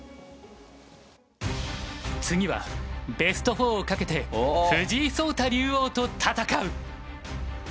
次はベスト４を懸けて藤井聡太竜王と戦う！